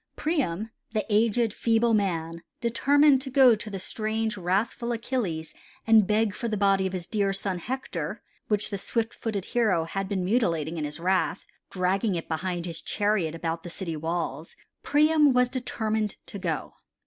Priam, the aged, feeble man, determined to go to the strange, wrathful Achilles and beg for the body of his dear son Hector, which the swift footed hero had been mutilating in his wrath, dragging it behind his chariot about the city walls. Priam was determined to go.